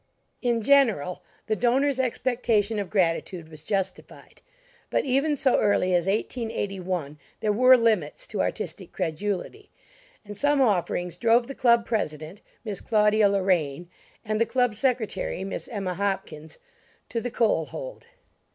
In general, the donors' expectation of gratitude was justified, but even so early as 1881 there were limits to artistic credulity; and some offerings drove the club president, Miss Claudia Loraine, and the club secretary, Miss Emma Hopkins, to "the coal hold."